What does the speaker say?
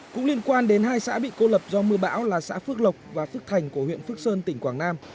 cũng liên quan đến hai xã bị cô lập do mưa bão là xã phước lộc và phước thành của huyện phước sơn tỉnh quảng nam